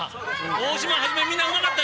大島はじめ、みんなうまかった。